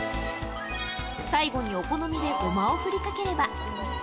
最後にお好みでごまを振りかければ。